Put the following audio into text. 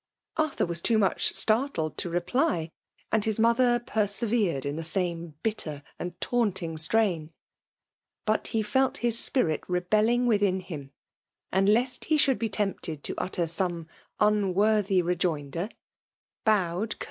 *'. J Atthnr wae too much startled to reply ; and his mother persevered in the same bitter and tauttling strtun. But he felt his spirit rebel ling Within him ; and lest he should be tempted to utter some unworthy rejoinder, bowed cour c2 28 FEMALE DOMINATION.